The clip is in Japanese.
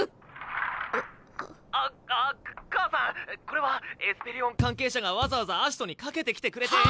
これはエスペリオン関係者がわざわざ葦人にかけてきてくれて。